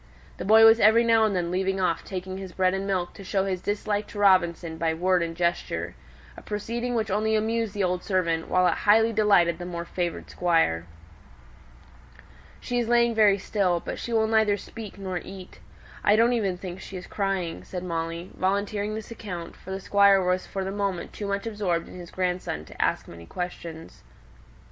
The boy was every now and then leaving off taking his bread and milk to show his dislike to Robinson by word and gesture: a proceeding which only amused the old servant, while it highly delighted the more favoured Squire. "She is lying very still, but she will neither speak nor eat. I don't even think she is crying," said Molly, volunteering this account, for the Squire was for the moment too much absorbed in his grandson to ask many questions.